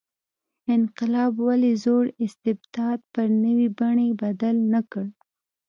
انقلاب ولې زوړ استبداد پر نوې بڼې بدل نه کړ.